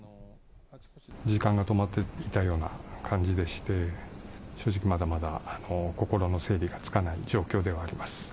時間が止まっていたような感じでして、正直、まだまだ心の整理がつかない状況ではあります。